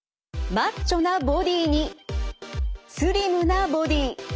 マッチョなボディーにスリムなボディー。